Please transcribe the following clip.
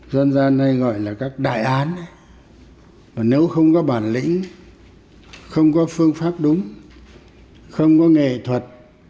dân gian hay gọi là các đại án nếu không có bản lĩnh không có phương pháp đúng không có nghệ thuật